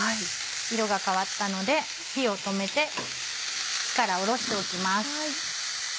色が変わったので火を止めて火から下ろしておきます。